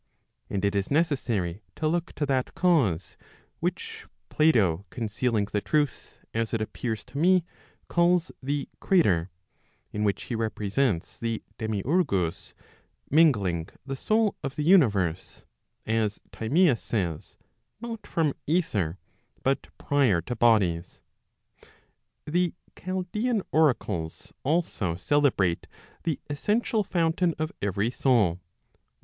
And it is necessary to look to that cause which Plato concealing the truth, as it appears to me, calls the Crater; in which he represents the demiurgus mingling the soul of the universe, as Timaeus says, not from ether, but prior to bodies. The Chaldean oracles also celebrate the essential fountain of every soul, viz.